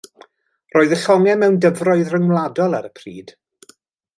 Roedd y llongau mewn dyfroedd rhyngwladol ar y pryd.